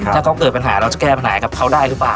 ถ้าเขาเกิดปัญหาเราจะแก้ปัญหากับเขาได้หรือเปล่า